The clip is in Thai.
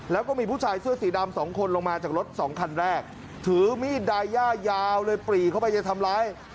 แล้วก็มีผู้ชายเสื้อสีดำสองคนลงมาจากรถสองคันแรกถือมีดดายย่ายาวเลยปรีเข้าไปจะทำร้าย